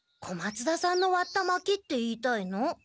小松田さんのわった薪って言いたいの？